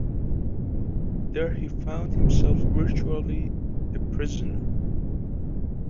There he found himself virtually a prisoner.